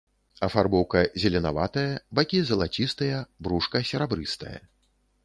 Афарбоўка зеленаватая, бакі залацістыя, брушка серабрыстае.